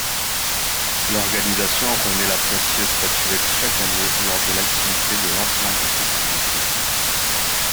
L’organisation remet la précieuse statuette chaque année lors de l’activité de lancement des festivités.